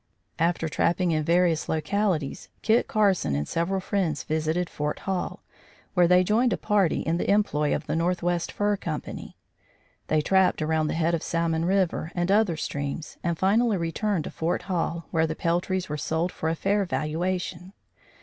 After trapping in various localities, Kit Carson and several friends visited Fort Hall, where they joined a party in the employ of the Northwest Fur Company. They trapped around the head of Salmon River and other streams, and finally returned to Fort Hall, where the peltries were sold for a fair valuation.